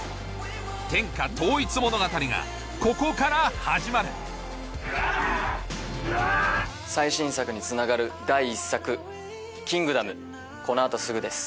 天下統一物語がここから始まる最新作につながる第１作『キングダム』この後すぐです。